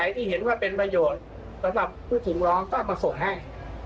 ที่เห็นว่าเป็นประโยชน์สำหรับผู้สูงร้องก็เอามาส่งให้